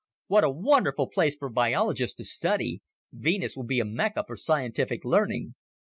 "What a wonderful place for biologists to study! Venus will be a Mecca for scientific learning!"